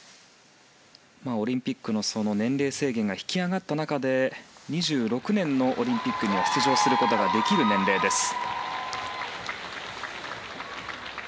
オリンピックの年齢制限が引き上がった中で２６年のオリンピックに出場することができる年齢です。